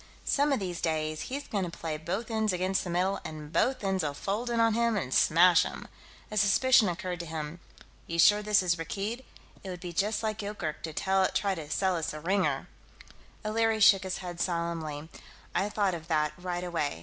Some of these days he's going to play both ends against the middle and both ends'll fold in on him and smash him." A suspicion occurred to him. "You sure this is Rakkeed? It would be just like Yoorkerk to try to sell us a ringer." O'Leary shook his head solemnly. "I thought of that, right away.